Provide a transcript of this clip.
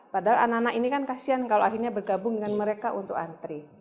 padahal anak anak ini kan kasian kalau akhirnya bergabung dengan mereka untuk antri